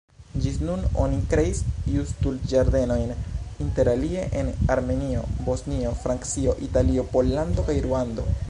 Ĝis nun oni kreis Justul-Ĝardenojn interalie en Armenio, Bosnio, Francio, Italio, Pollando kaj Ruando.